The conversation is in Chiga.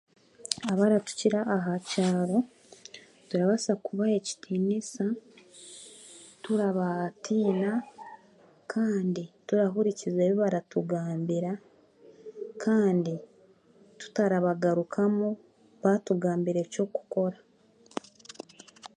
Abaratukira aha kyaro turabaasa kubaha ekitiniisa turabatiina kandi turahurikiriza ebi baratugambira kandi twahurikiriza baatungambira eby'okukora